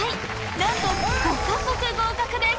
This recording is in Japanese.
なんと５か国合格です